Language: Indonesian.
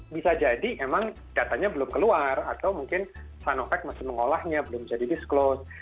bisa jadi emang datanya belum keluar atau mungkin sanovac masih mengolahnya belum jadi disclosed